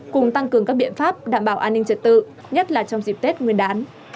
cùng tăng cường các biện pháp đảm bảo an ninh trật tự nhất là trong dịp tết nguyên đán